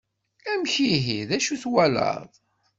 Amek ihi, d acu twalaḍ?